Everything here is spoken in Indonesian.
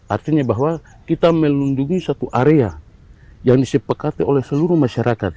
artinya bahwa kita melindungi satu area yang disepakati oleh seluruh masyarakat